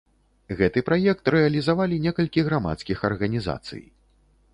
Гэты праект рэалізавалі некалькі грамадскіх арганізацый.